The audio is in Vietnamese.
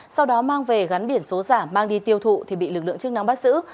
sau đó mang về gắn biển số giả mang đi tiêu thụ thì bị lực lượng chức năng bắt giữ